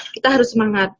kita harus semangat